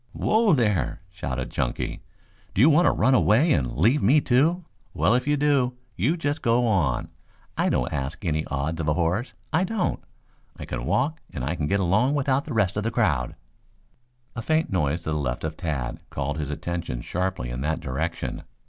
"Whoa there!" shouted Chunky. "Do you want to run away and leave me, too? Well, if you do, you just go on. I don't ask any odds of a horse, I don't. I can walk and I can get along without the rest of that crowd." A faint noise to the left of Tad called his attention sharply in that direction.